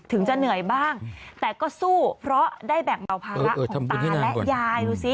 จะเหนื่อยบ้างแต่ก็สู้เพราะได้แบ่งเบาภาระของตาและยายดูสิ